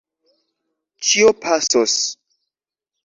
Ĉio pasos!